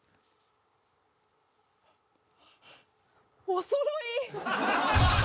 おそろい！